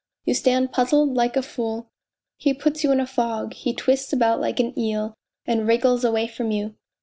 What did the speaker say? You stand puzzled like a fool he puts you in a fog, he twists about like an eel and wriggles away from you.